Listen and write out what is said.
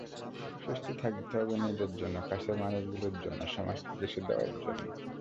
সুস্থ থাকতে হবে নিজের জন্য, কাছের মানুষগুলোর জন্য, সমাজকে কিছু দেওয়ার জন্য।